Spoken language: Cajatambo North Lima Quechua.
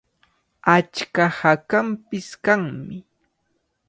Achka hakanpish kanmi.